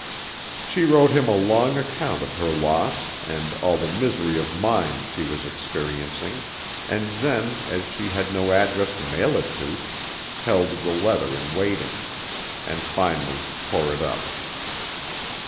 She wrote him a long account of her loss and all the misery of mind she was experiencing and then, as she had no address to mail it to, held the letter in waiting, and finally tore it up.